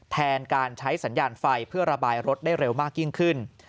แทนการใช้สัญญาณไฟเพื่อระบายรถได้เร็วมากยิ่งขึ้น